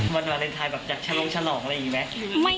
วันวาเลนไทยแบบจะฉลงฉลองอะไรอย่างนี้ไหม